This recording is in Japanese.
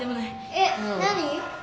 えっ何？